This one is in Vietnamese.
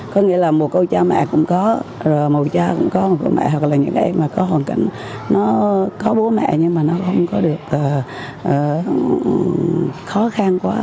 có nghĩa là một cô cha mẹ cũng có một cô cha cũng có một cô mẹ hoặc là những em có hoàn cảnh có bố mẹ nhưng mà nó không có được khó khăn quá